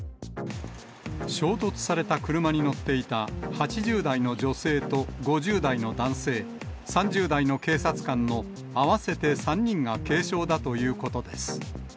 衝突された車に乗っていた８０代の女性と５０代の男性、３０代の警察官の合わせて３人が軽傷だということです。